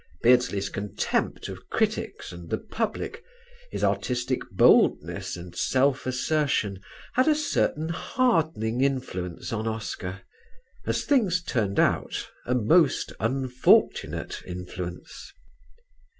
Beardsley's contempt of critics and the public, his artistic boldness and self assertion, had a certain hardening influence on Oscar: as things turned out a most unfortunate influence.